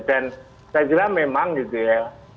dan saya kira memang gitu ya